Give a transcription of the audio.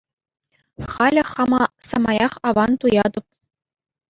Халӗ хама самаях аван туятӑп.